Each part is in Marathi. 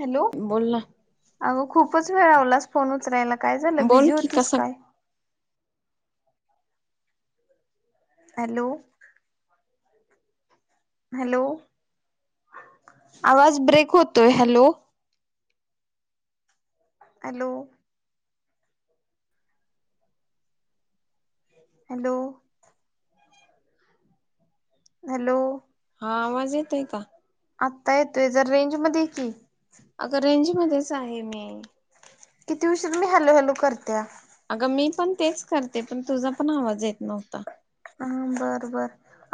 हॅलो बोल ना अगं खूपच वेळ आवलास फोन उचरायला काय झालं बोल बिझी की होतीस कसा काय हॅलो हॅलो आवाज ब्रेक होतोय हॅलो हॅलो हॅलो हॅलो हा आवाज येतोय का आत्ता येतोय जर रेंज मध्ये की अगं रेंज मध्येच आहे मी किती वष मी हॅलू हॅलू करते्या अगं मी पण तेच करते पण तुझा पण आवाज येत नव्हता हम बरं बर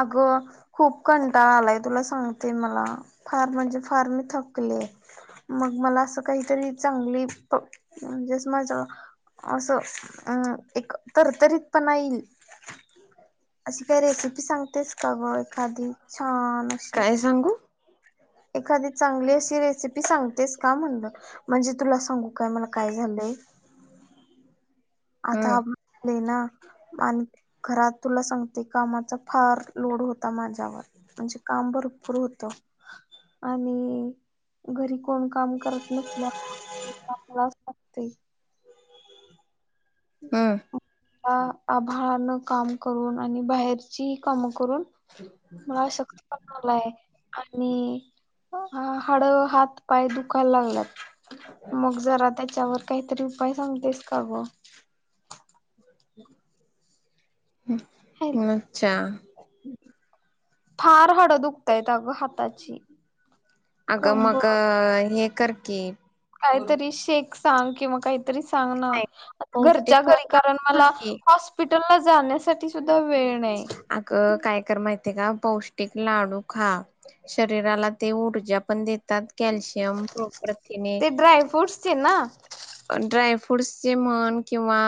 अगं खूप कंटाळा आलाय तुला सांगते मला फार म्हणजे फार मी थकले मग मला असं काहीतरी चांगली जस माच असं अं एक तरतरीत पणा येईल ह अशी काय रेसिपी सांगतेस का ग एखादी छान अशी काय सांगू एखादी चांगली अशी रेसिपी सांगतेस का म्हण म्हणजे तुला सांगू काय मला काय झालंय हम्म आता ना मान घरात तुला सांगते. कामाचा फार लोड होता माझ्यावर म्हणजे काम भरपूर होत आणि घरी कोण काम करत नसल्यागते हम आभळान काम करून आणि बाहेरचीही कामं करून मला अशक्त पण आलाय. आणि हाड हात पाय दुखायला लागलात. मग जरा त्याच्यावर काहीतरी उपाय सांगतेस. का ग अच्छा फार हड दुखतायेत अगं हाताची अगं मग कंबर हे करकी काहीतरी शेक सांग किंवा काही काही तरी सांग ना नाही घरच्या पौष्टिक घरी कारण लाडू खा मला हॉस्पिटल ला जाण्यासाठी सुध अग काय कर माहित ते का पौष्टिक लाडू खा शरीराला ते ऊर्जा पण देत. त्यात कॅलशियम प्रपथिने ते ड्रायफ्रूट्सचे ना ड्राय फ्रूटसचे म्हण किंवा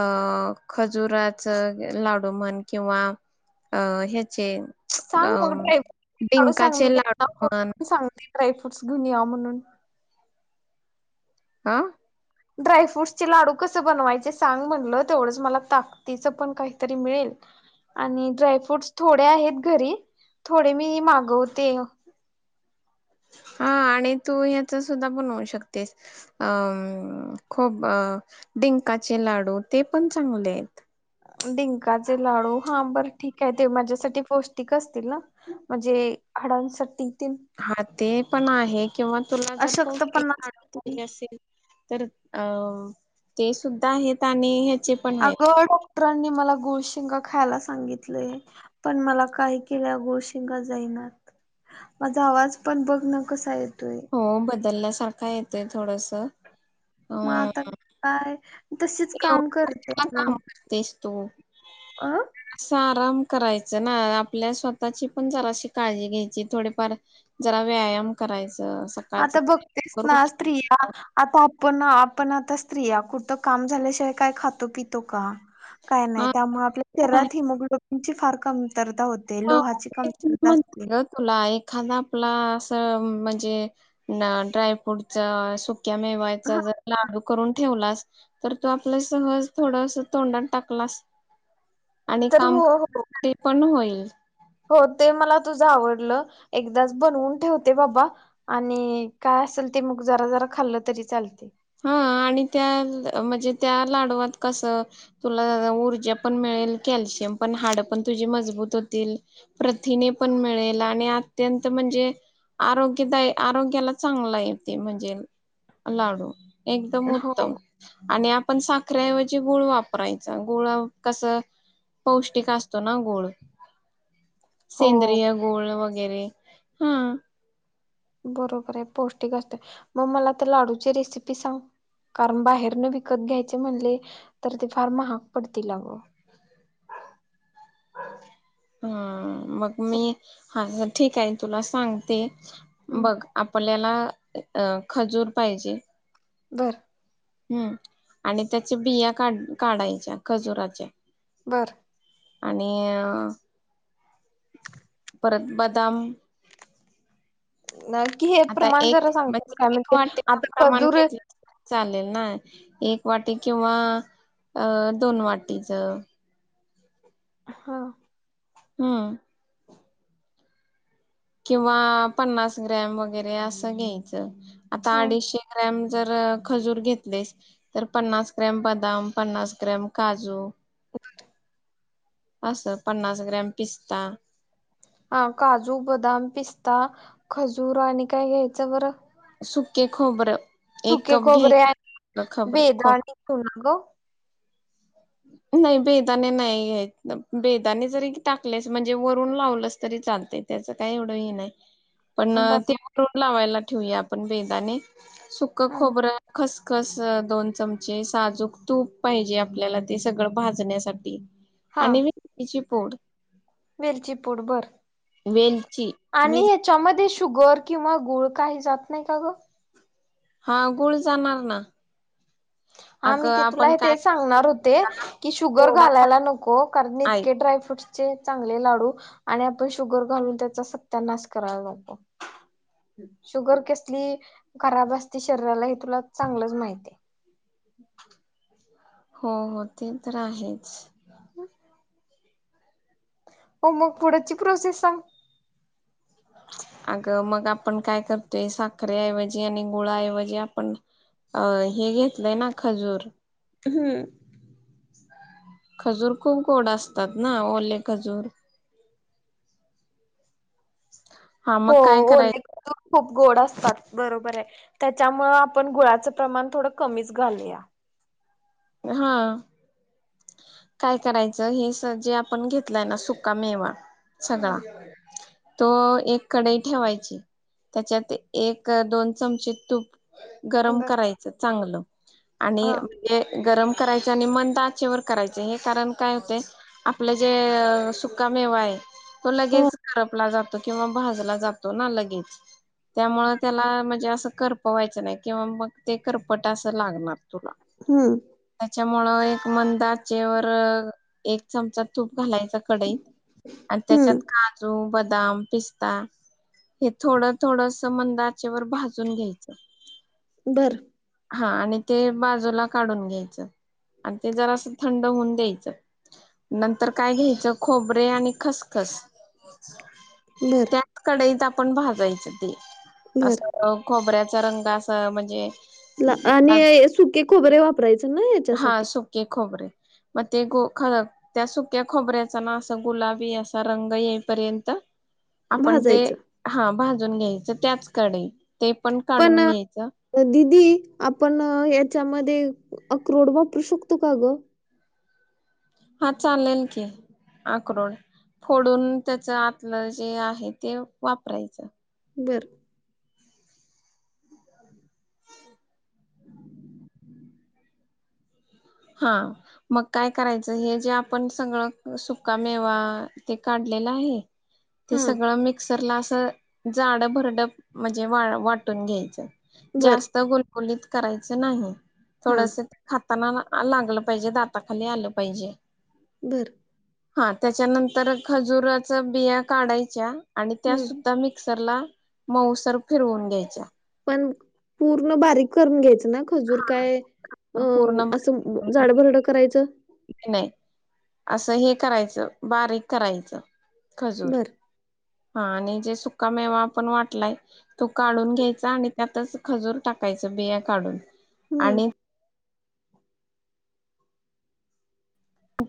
अ खजुराच लाडू म्हण किंवा अ ह्याचे अ सांग मग ड्रायर काढू सांग डिंकाचे मी लाडू फ म्हण सांगतेड्राय ड्रेफ्रुट्स घेऊन या म्हणून आ ड्रायफ्रूटस चे लाडू कस बनवायचे. सांग म्हणलं तेवढंच मला ताकदीच पण काहीतरी मिळेल. आणि ड्रायफ्रूट्स थोडे आहेत घरी थोडे मी मागवते. हा आणि तू याचा सुद्धा बनवू शकतेस. अ खूप अ डिंकाचे लाडू ते पण चांगले आहेत. डिंकाचे लाडू हा बर ठीक आहे. ते माझ्यासाठी पौष्टिक असतील ना म्हणजे हाडांसाठी तेन ह ते ते पण आहे. किंवा तुला जर पौष्टिक अशक्तपणासाठी पाहिज असेल तर अ ते सुद्धा आहेत. आणि ह्याचे पण आहेत अगं डॉक्टरांनी मला गुळशेगा खायला सांगितलेय पण मला काय केल्या गुळशेंगा जाईनात माझा आवाज पण बघण कसा आहे. हो बदलला. सारखा येतय थोडस मग आता काय तसेच काम करते. मग तो अं आराम करायच ना आपल्या स्वतःची पण जराशी काळजी घ्यायची थोडेफार जरा व्यायाम करायच. आता बघतेस ना स्त्रिया आता पण आपण आता स्त्रिया कुठ काम झाल्याशिवाय काय खातो पितो का? काय नाही हा त्यामुळे आपल्या हिमोग्लोबीन ची फारकमी- - म्हण ग तुला एखादा आपला अस म्हन - - म्हणे ड्राय फ्रूट च सु- - क्या हा मेवायचा जर लाडू करून ठेवलास- - तर तो आपला सहज थोडस तोंडात टाकलास - - आणि तर काम हो हो ते पण होईल. हो ते मला तुझं आवडलं एकदाच बनवून ठेवते बाबा आणि काय असेल ते मग जरा जरा खाल्लं तरी चालतयं. हा आणि त्या म्हणजे त्या लाडवात कसं तुला ऊर्जा पण मिळेल कॅल्शियम पण हाड पण तुझी मजबूत होतील. प्रथिने पण मिळेल आणि अत्यंत म्हणजे आरोग्यदायी आरोग्याला चांगला य ते म्हणजे लाडू. एकदम हो. उत्तम आणि आ पण साखरेऐवजी गुळ वापरायचा गुळ कसं पौष्टिक असतो ना गुळ हो सेंद्रिय गोळ वगै गेले हा. बरोबर हाय पौष्टिक असत मग मला आता लाडूची रेसिपी सांग कारण बाहेर न विकत घ्यायचे म्हणले तर ते फार महाग पडतील अगं हा. मग मी [unintelligible] ठीक आहे तुला सांगते. हम्म बघ आपल्याला अ खजूर पाहिजे. बरं हम्म आणि त्याची बिया काढ काढायच्या खजुराच्या बरं आणि अ परत बदाम नक्की हे आता प्रमाण एक जरा सांगतेस म्हणजे काय एक वाटीच आता प्रमाण खजूर घेतलं चालेल ना एक वाटी किंवा अ दोन वाटीच हा. हं. किंवा पन्नास ग्रॅम वगैरे असं घ्यायचं. आता हम्म अडीचशे ग्रॅम जर खजूर घेतलेस तर पन्नास ग्रॅम बदाम, पन्नास ग्रॅम काजू [inaudible] असं पन्नास ग्रॅम पिस्ता हा काजू, बदाम, पिस्ता, खजूर आणि काय घ्यायचं बरं? सुके खोबरं एक सुके कप खोबरे घ्यायचं आणि खबर खोब बेदाणी कोण ग नाही बेदाणे नाही घ्यायचं बेदाणे जरी टाकलेस म्हणजे वरून लावलंस तरी चालतयं त्याच काही एवढं हे नाही. पण बर ते मग उरून लावायला ठेऊया आप आपण बेदाणे सुकं हम्म. खोबरं खस खस दोन चमचे साजूक तूप पाहिजे आपल्याला ते सगळं भाजण्यासाठी हा आणि मी त्याची फोड वेलची पूड बर वेलची आणि मिर ह्याच्यामध्ये शुगर किंवा गुळ काही जात नाही का ग हा गुळ जाणार ना हा मी अगं ते तुला आपण काय तेच सांगणार होते, की शुगर थोडासा घालायला नको कारण ऐक इतके ड्रायफ्रूटस चे चांगले लाडू आणि आपण शुगर घालून त्याचा सत्यानाश करायला नको, शुगर कसली खराब असते, शरीराला हे तुला चांगलंच माहीतेय. अच् [inaudible] हो, हो, ते तर आहेच. हो, मग पुढंची प्रोसेस सांग. अगं मग आपण काय करतोय साखरऐवजी आणि गुळाऐवजी आपण अ हे घेतलंय ना खजूर. हम्म. खजूर खूप गोड असतात ना, ओले खजूर. हा मग हो काय करायच ओले खूप- गोड असतात. बरोबर आहे, त्याच्यामुळे आपण गुळाचं प्रमाण थोडं कमीच घालूया. हा. काय करायचं, हे स जे आपण घेतलंय ना, सुका मेवा सगळा हम्म तो एक कडई ठेवायची, त्याच्यात एक दोन चमचे तूप गरम बर करायचं चांगलं, आणि हा. म्हणजे गरम करायच आणि मंद त्याचेवर करायच हे कारण काय होतेय, आपलं जे सुकामेवा आहे, तो हो लगेच करपला जातो किंवा भाजला जातो, तो ना लगेच त्यामुळे त्याला म्हणजे असं करपवायचं नाही किंवा मग ते करपट अस लागणार तुला, हम्म त्याच्या मुळे [unintelligible] मंदा आचेवर एक चमचा तूप घालायच कडईत आणि हम्म त्याच्यात काजू बदा दाम पिस्ता हे थोडं थोडस मंद आचेवर भाजून घ्यायचं. बरं हा आणि ते बाजूला काढून घ्यायचं, आणि ते जरा असं थंड होऊन द्यायचं, नंतर काय घ्यायचं खोबरे आणि खसखस, बर त्याच कडईत पण भाजायचं ते, बर. असं खोबऱ्यात रंग असं म्हणजे, आणि सुके, खोबरे आप करायच नाही हा याच्यासाठी, सुके खोबरे, मग ते खर त्या सुक्या खोबऱ्याचा ना असं गुलाबी असा रंग येईपर्यंत, आपण ते भाजायचं हा भज [unintelligible] घ्यायच त्याच कडे पण दिदी आप हे त्याच्यामध्ये अक्रोड वापरू शकतो का ग. हा चालेल की आकोड फोडून त्याच आतलं जे आहे. ते वापरायचं. बरं. हा मग काय करायचं हे जे आपण सगळं सुका मेवा ते काढलेलं आहे. ते हा सगळ मिक्स रला असं जाड भरड म्हणजे वा वाटून घ्यायचं. बर जास्त गोलगलीत. करायचं नाही. हा. थोडस खात त नाना. लागलं पाहिजे दाताखाली आलं पाहिजे. बरं. हा त्याच्यानंतर खजुराच बिया काढायच्या. आणि त्या हम्म सुद्धा मिक्स र ला मऊसर फिरवून घ्यायच्या. पण पूर्ण बारीक करून घ्यायच. ना खजूर काय अ तर पूर्ण असं बारीक झाडभरड करायचं. नाही असं हे करायचं बारीक करायचं. खजूर. बर हा आणि जे सुका मेवा आपण वाटलाय तो काढून घ्यायचा, आणि त्यातच खजूर टाकायचं बिया काढून. हम्म. आणि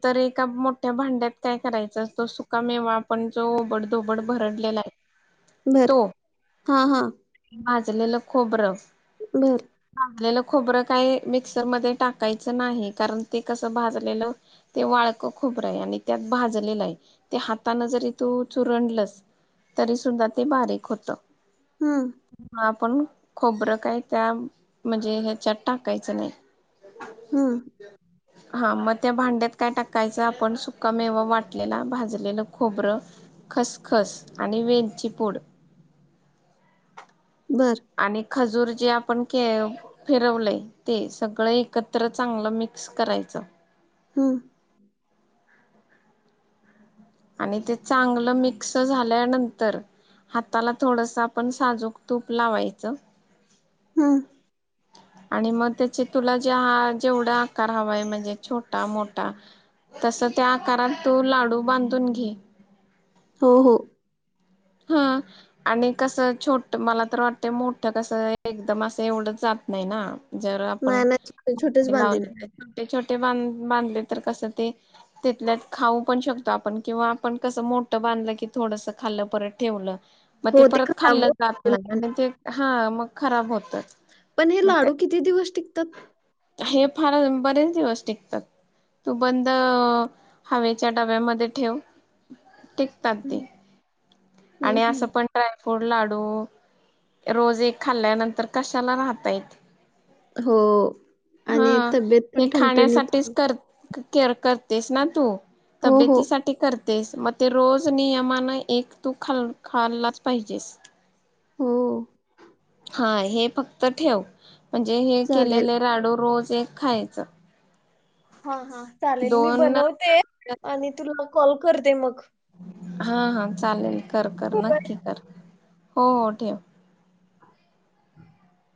तरी एका मोठ्या भांड्यात काय करायचं, असतो सुका मेवा आपण जो ओबड धोबड भरडलेला आहे. तो बरं. हा हा. भाजलेलं खोबरं. बर. लेलं खोबरं काय मिक्सरमध्येध्ये टाकायचं नाही, कारण ते कसं भाजलेलं ते वाळक खोबरं आहे. आणि त्यात भाजलेलं आहे. ते हाताानं जरी तू चुरणलस तरी सुद्धा ते बारीक होत. ह. आपण खोबरं काय त्या म्हणजे, ह्याच्यात टाकायचं नाही. हम्म. हां मग त्या भांड्यात काय टाकायचं, आपण सुका मेवा वाटलेला भाजलेलं खोबरं, खसखस आणि वेलची पूड. बर. आणि खजूर जे आपण के फिरवलंय ते, सगळं एकत्र चांगलं मिक्स करायचं. हम. आणि ते चांगलं मिक्स झाल्यानंतर, हाताला थोडस आपण साजूक तूप लावायचं. हम आणि मग त्याचे तुला जे ह जेवढा आकार हवाय म्हणजे छोटा मोठा तस त्या आकारात तू लाडू बांधून घे हो हो हा आणि कसं छोट मला तर वाटते मोठं कसं एकदम असं एवढं जात नाही ना जर आपण नाही नाही छोटे छोटेच बांधेन लावले छोटे बां बांधले तर कसं ते तिथल्यात खाऊ पण शकतो आपण किंवा आपण कसं मोठं बांधलं की थोडस खाल्लं पर तेवलं मग ते हो परत खराब खाल्लं जात नाही होतील. आणि ते हा मग खराब होतं पण हे मग लाडू ते किती दिवस टिकतात हे फार बरेच दिवस टिकतात तू बंद हवेच्या डब्यामध्ये ठेव टीकतात ते हम्म हम्म आणि असं हम्म. पण ट्राय फूड लाडू रोज एक खाल्ल्यानंतर कशाला राहता येत हो हा आणि तब्येत हे पण ठंठणीत खाण्यासाठीच कर केअर करतेस ना तू हो तब्येतीसाठी कर तेच मग ते रोज नियमानं एक तू खाल् खाल्लाच पाहिजेस हो हा हे फक्त ठेव म्हणजे हे चालेल केलेले राडू रोज चेक खायचं हा हा चालेल मी दोन बनवते आणि तुला कॉल करते मग हा हा. चालेल कर कर नक्की कर. हो हो ठेव. [unintelligible]